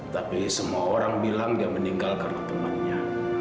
tapi semua orang bilang dia meninggal karena temannya